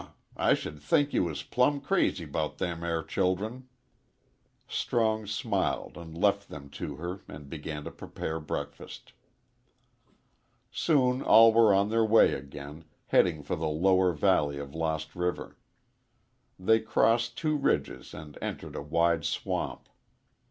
I should think you was plumb crazy 'bout them air childern." Strong smiled and left them to her and began to prepare breakfast. Soon all were on their way again, heading for the lower valley of Lost River. They crossed two ridges and entered a wide swamp.